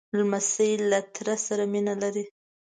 لمسی له تره سره مینه لري.